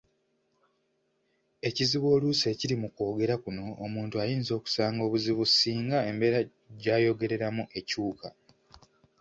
Ekizibu oluusi ekiri mu kwogera kuno omuntu ayinza okusanga obuzibu singa embeera gy’ayogereramu ekyuka.